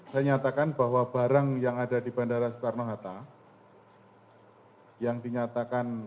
saya nyatakan bahwa barang yang ada di bandara soekarno hatta yang dinyatakan